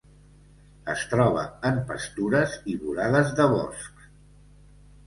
Es troba en pastures i vorades de boscs.